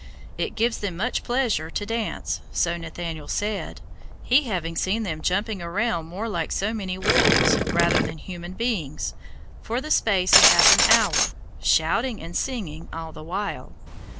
It gives them much pleasure to dance, so Nathaniel said, he having seen them jumping around more like so many wolves, rather than human beings, for the space of half an hour, shouting and singing all the while.